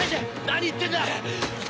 何言ってんだ！